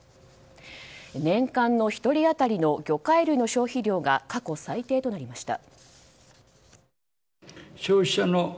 年間の１人当たりの魚介類の消費量が過去最低となりました。